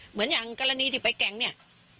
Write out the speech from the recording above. เหมือนอย่างกรณีที่ไปแก่งเนี่ย